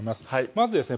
まずですね